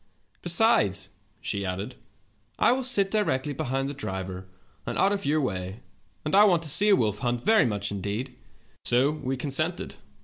'Besides,' she added, 'I will sit directly behind the driver, and out of your way, and I want to see a wolf hunt very much indeed.' "So we consented.